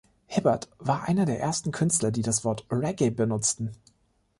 Hibbert war einer der ersten Künstler, die das Wort „Reggae“ benutzten.